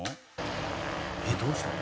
「えっどうしたの？」